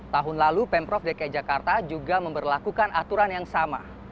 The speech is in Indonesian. tahun lalu pemprov dki jakarta juga memperlakukan aturan yang sama